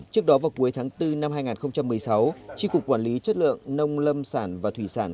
trước đó vào cuối tháng bốn năm hai nghìn một mươi sáu tri cục quản lý chất lượng nông lâm sản và thủy sản